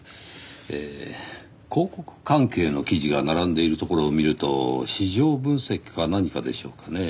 えー広告関係の記事が並んでいるところを見ると市場分析か何かでしょうかねぇ。